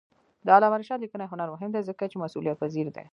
د علامه رشاد لیکنی هنر مهم دی ځکه چې مسئولیتپذیر دی.